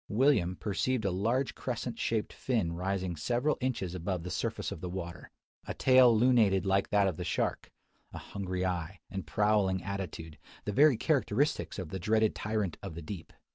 William perceived a large crescent shaped fin rising several inches above the surface of the water, a tail lunated like that of the shark, a hungry eye, and prowling attitude: the very characteristics of the dreaded tyrant of the deep.